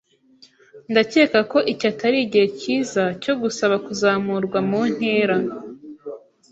Ndakeka ko iki atari igihe cyiza cyo gusaba kuzamurwa mu ntera.